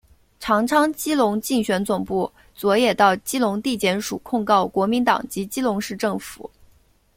长昌基隆竞选总部昨也到基隆地检署控告国民党及基隆市政府。